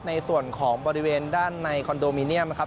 ในส่วนของบริเวณด้านในคอนโดมิเนียมนะครับ